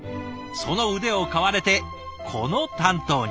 その腕を買われてこの担当に。